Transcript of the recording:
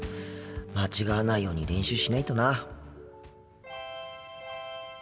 間違わないように練習しないとな。